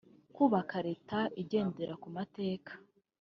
kubaka Leta igendera ku mategeko